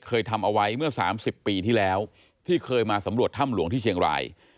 เคยทำเอาไว้เมื่อ๓๐ปีที่แล้วที่เคยมาสำรวจถ้ำหลวงที่เชียงราย